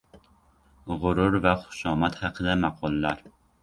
G‘urur va xushomad haqida maqollar.